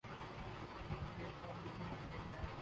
یہ تب ہی ممکن ہے۔